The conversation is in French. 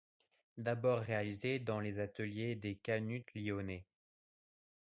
D'abord réalisées dans les ateliers des canuts lyonnais.